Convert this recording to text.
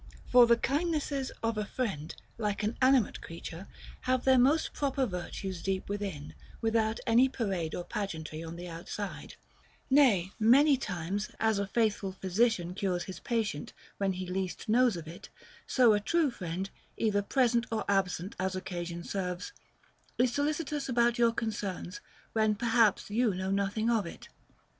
For the kindness s of a friend, like an ani mate creature, have their most proper virtues deep within, without any parade or pageantry on the outside. Nay, many times, as a faithful physician cures his patient when he least knows of it, so a true friend, either present or * From the Erechtheus of Euripides, Frag. 361. FROM A FRIEND. 133 absent, as occasion serves, is solicitous about your con cerns, when perhaps you know nothing of it.